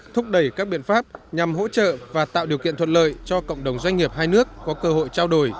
thúc đẩy các biện pháp nhằm hỗ trợ và tạo điều kiện thuận lợi cho cộng đồng doanh nghiệp hai nước có cơ hội trao đổi